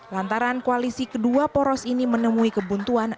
lantaran koalisi kedua poros ini menemui kebuntuan